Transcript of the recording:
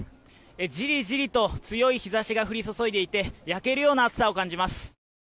じりじりと強い日差しが降り注いでいて焼けるような暑さを感じます。